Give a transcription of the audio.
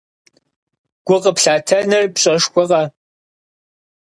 Гу къыплъатэныр пщӀэшхуэкъэ!